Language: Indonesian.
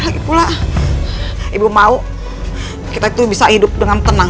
lagipula ibu mau kita itu bisa hidup dengan tenang